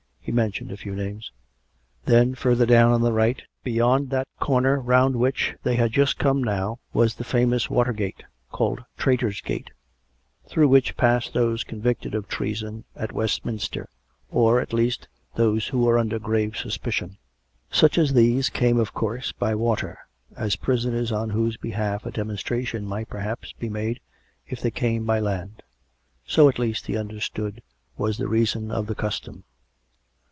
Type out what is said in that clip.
(He mentioned a few names.) Then, further down on the right, beyond that corner round which they had come just now, was the famous water gate, called " Traitors' Gate," through which passed those con victed of treason at Westminster, or, at least, those who were under grave suspicion. Such as these came, of course, by water, as prisoners on whose behalf a demonstration might perhaps be made if they came by land. So, at leasrt, he understood was the reason of the custom.